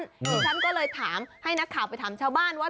ดิฉันก็เลยถามให้นักข่าวไปถามชาวบ้านว่า